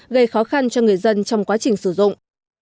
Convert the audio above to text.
gây khó khăn cho người dân trong quá trình sử dụng